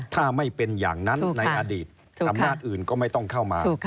ถ้าไม่เป็นอย่างนั้นในอดีตอำนาจอื่นก็ไม่ต้องเข้ามา